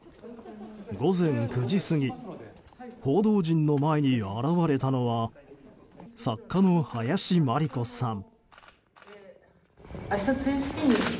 午前９時過ぎ報道陣の前に現れたのは作家の林真理子さん。